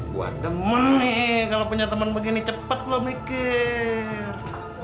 buat demen nih kalau punya temen begini cepet lo mikir